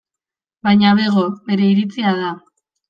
Baina bego, bere iritzia da.